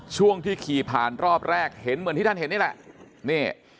ช่วงที่ขี่ผ่านรอบแรกเห็นเหมือนที่ท่านเห็นนี่แหละนี่